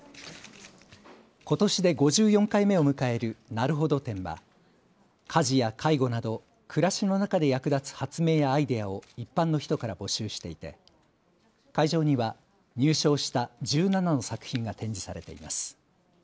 ことしで５４回目を迎えるなるほど展は家事や介護など暮らしの中で役立つ発明やアイデアを一般の人から募集していて会場には入賞した１７の作品が展示されています。